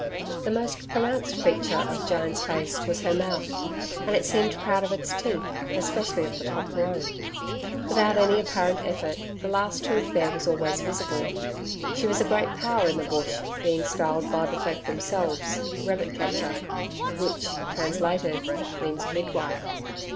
The most pronounced feature of Jyne's face was her mouth, and it seemed proud of its teeth, especially of the top row. Without any apparent effort, the last tooth there was always visible. She was a great power in the bush, being styled by the folk themselves "Rabbit Ketcher", which, translated, means midwife.